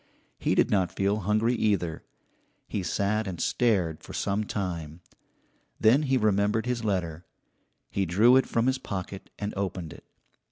He did not feel hungry, either. He sat and stared for some time. Then he remembered his letter. He drew it from his pocket and opened it.